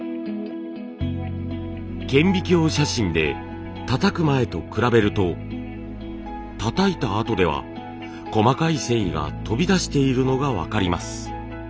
顕微鏡写真でたたく前と比べるとたたいたあとでは細かい繊維が飛び出しているのが分かります。